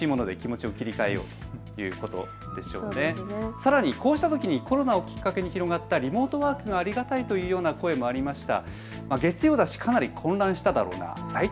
さらにこうしたときにコロナをきっかけに広がったリモートワークがありがたいというような声もありました。